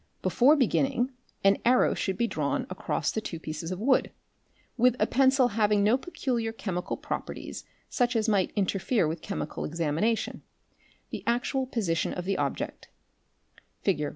Before beginning an arrow should be drawn across the two pieces of wood, with %_~ b y a pencil having no peculiar chemical properties such as might interfere with chemical examination, the actual position of the object (Fig.